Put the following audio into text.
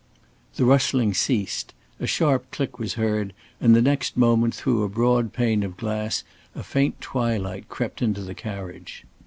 The rustling ceased. A sharp click was heard, and the next moment through a broad pane of glass a faint twilight crept into the carriage.